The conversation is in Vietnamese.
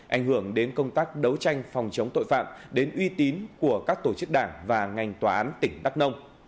ảnh hưởng đến công tác đấu tranh phòng chống tội phạm đến uy tín của các tổ chức đảng và ngành tòa án tỉnh đắk nông